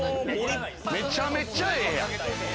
めちゃめちゃええやん！